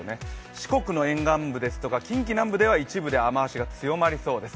四国の沿岸部ですとか近畿南部では一部雨雲が強まりそうです。